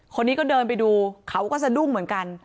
คนนี้ก็เดินไปดูเขาก็สะดุ้งเหมือนกัน